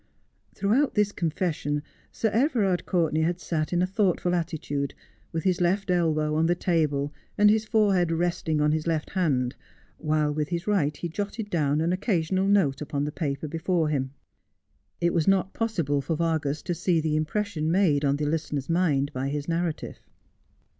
Throughout this confession Sir Everard Courtenay had sat in a thoughtful attitude, with his left elbow on the table, and his forehead resting on his left hand, while with his right he jotted down an occasional note upon the paper before him. It was not possible for Vargas to see the impression made on the listener's mind by his narrative.